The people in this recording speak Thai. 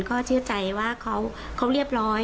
ก็เชื่อใจว่าเขาเรียบร้อย